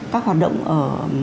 các hoạt động ở